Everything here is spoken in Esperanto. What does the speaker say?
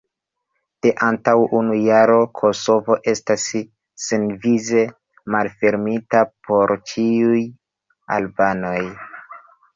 De antaŭ unu jaro, Kosovo estas senvize malfermita por ĉiuj albanoj.